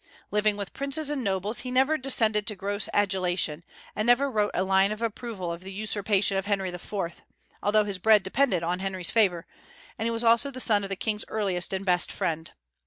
Living with princes and nobles, he never descended to gross adulation, and never wrote a line of approval of the usurpation of Henry IV., although his bread depended on Henry's favor, and he was also the son of the king's earliest and best friend.